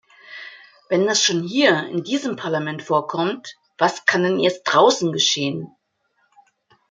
Wenn das schon hier, in diesem Parlament vorkommt, was kann dann erst draußen geschehen?